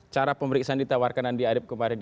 cara pemeriksaan ditawarkan di arab kemarin